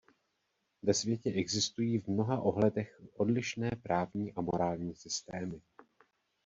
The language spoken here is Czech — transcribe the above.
Ve světě existují v mnoha ohledech odlišné právní a morální systémy.